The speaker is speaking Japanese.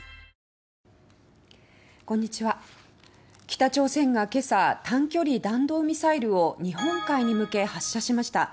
北朝鮮が今朝短距離弾道ミサイルを日本海に向け発射しました。